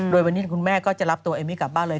โดยวันนี้คุณแม่ก็จะรับตัวเอมมี่กลับบ้านเลย